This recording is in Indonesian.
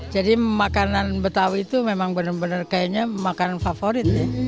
jadi makanan betawi itu memang benar benar kayaknya makanan favorit